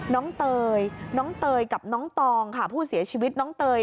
เตยน้องเตยกับน้องตองค่ะผู้เสียชีวิตน้องเตย